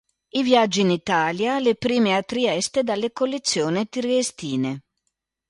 I viaggi in Italia, le prime a Trieste dalle collezioni triestine.